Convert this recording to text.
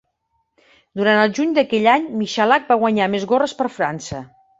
Durant el juny d'aquell any, Michalak va guanyar més gorres per França.